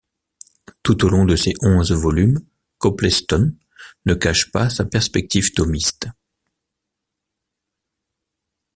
Tout au long de ces onze volumes Copleston ne cache pas sa perspective thomiste.